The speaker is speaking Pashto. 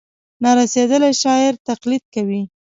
نا رسېدلي شاعر تقلید کوي.